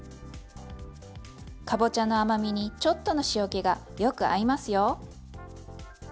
かぼちゃの甘みにちょっとの塩気がよく合いますよ。